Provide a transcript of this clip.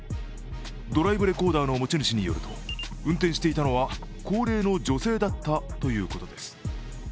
ドライブレコーダーの持ち主によると運転していたのは高齢の女性だったということです。